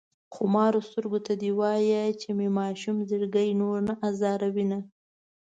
خمارو سترګو ته دې وايه چې مې ماشوم زړګی نور نه ازاروينه شي